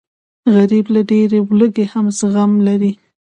غریب له ډېرې لوږې هم زغم لري